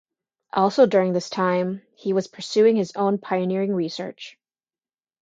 Also during this time, he was pursuing his own pioneering research.